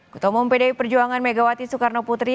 ketua umum pdi perjuangan megawati soekarno putri